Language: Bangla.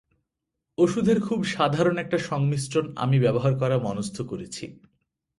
ওষুধের খুব সাধারণ একটা সংমিশ্রণ আমি ব্যবহার করা মনস্থ করেছি।